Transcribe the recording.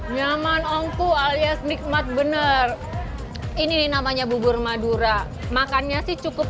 nyaman ongku alias nikmat bener ini namanya bubur madura makannya sih cukup